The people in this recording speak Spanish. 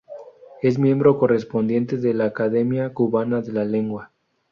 Es miembro correspondiente de la Academia Cubana de la Lengua.